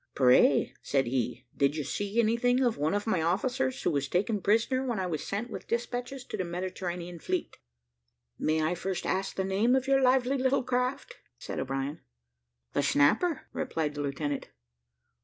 "Pray," said he, "did you see anything of one of my officers; who was taken prisoner when I was sent with despatches to the Mediterranean fleet?" "May I first ask the name of your lively little craft?" said O'Brien. "The Snapper," replied the lieutenant.